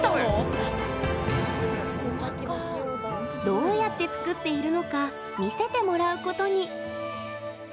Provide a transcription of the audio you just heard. どうやって作っているのか見せてもらうことに。